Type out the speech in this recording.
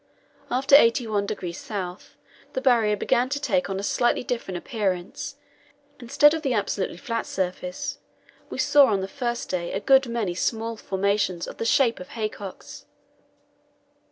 After 81° S. the Barrier began to take on a slightly different appearance instead of the absolutely flat surface, we saw on the first day a good many small formations of the shape of haycocks.